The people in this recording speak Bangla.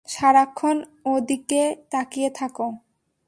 সারাক্ষণ ওদিকে তাকিয়ে থাকো।